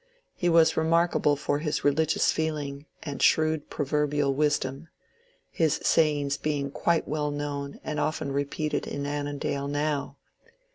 He was remarkable for his religious feeling and shrewd proverbial wisdom, — his sayings being quite well known and often repeated in Annandale now.